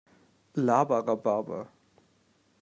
Laber Rhabarber!